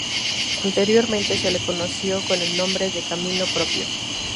Anteriormente se le conoció con el nombre de Camino Propios.